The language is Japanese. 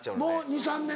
２３年で。